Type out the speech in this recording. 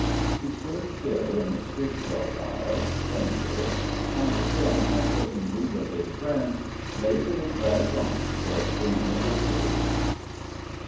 He stood still in the street for a while, pensive, and then, taking leave of his friends, lazily dragged on towards the university.